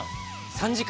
３時間。